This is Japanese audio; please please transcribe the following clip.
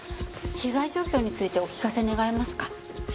被害状況についてお聞かせ願えますか？